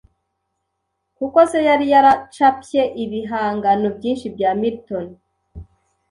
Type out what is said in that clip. kuko se yari yaracapye ibihangano byinshi bya Milton.